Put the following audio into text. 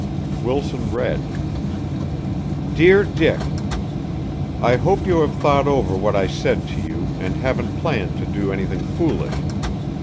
Wilson read, "DEAR DICK: I hope you have thought over what I said to you and haven't planned to do anything foolish.